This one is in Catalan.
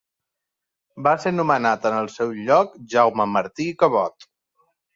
Va ser nomenat en el seu lloc Jaume Martí i Cabot.